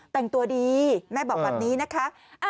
แต่งตัวดีแม่บอกแบบนี้นะคะ